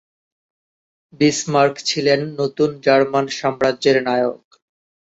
Bismarck ছিলেন নতুন German সাম্রাজ্যের নায়ক।